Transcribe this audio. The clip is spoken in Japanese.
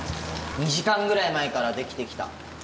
２時間ぐらい前からできてきた。